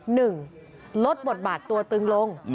หนึ่งลดบทบาทตัวตึงลง